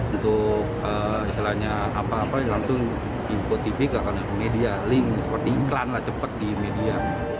untuk istilahnya apa apa langsung dikotifik ke media link seperti iklan lah cepat di media